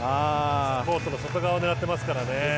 コートの外側を狙っていますからね。